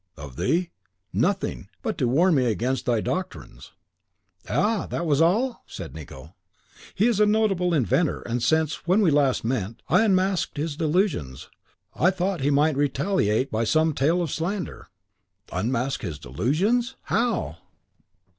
"Of thee? Nothing; but to warn me against thy doctrines." "Aha! was that all?" said Nicot. "He is a notable inventor, and since, when we met last, I unmasked his delusions, I thought he might retaliate by some tale of slander." "Unmasked his delusions! how?"